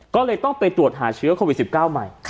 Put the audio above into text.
ก็เลยต้องไปตรวจหาเชื้อโควิด๑๙ใหม่